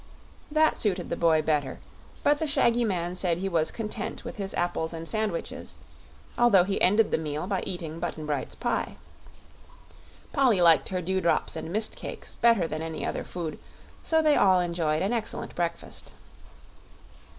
That suited the boy better, but the shaggy man said he was content with his apples and sandwiches, although he ended the meal by eating Button Bright's pie. Polly liked her dewdrops and mist cakes better than any other food, so they all enjoyed an excellent breakfast.